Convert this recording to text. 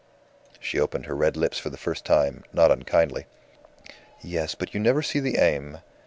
She opened her red lips for the first time, not unkindly. "Yes, but you never see the aim.